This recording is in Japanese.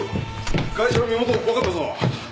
ガイ者の身元分かったぞ。